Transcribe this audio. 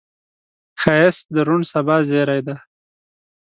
ښایست د روڼ سبا زیری دی